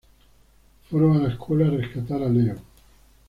Fueron a la escuela a rescatar a Leo.